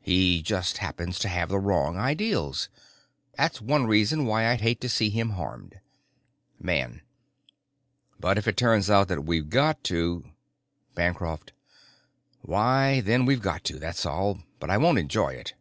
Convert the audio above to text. He just happens to have the wrong ideals. That's one reason why I'd hate to see him harmed." Man: "But if it turns out that we've got to " Bancroft: "Why, then we've got to, that's all. But I won't enjoy it."